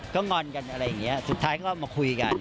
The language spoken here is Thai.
ก็งอนกันอะไรอย่างนี้สุดท้ายก็มาคุยกัน